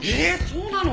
そうなの？